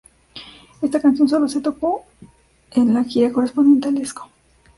Esta canción sólo se tocó en la gira correspondiente al disco.